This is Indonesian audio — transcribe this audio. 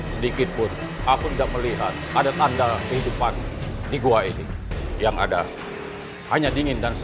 terima kasih allah atas pertolongan